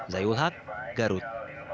zaiul hak garut